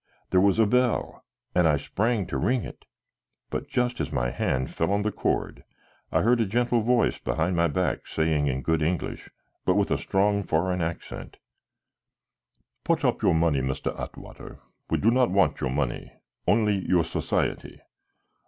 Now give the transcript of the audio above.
There was a bell and I sprang to ring it. But just as my hand fell on the cord, I heard a gentle voice behind my back saying in good English, but with a strong foreign accent: "Put up your money, Mr. Atwater; we do not want your money, only your society.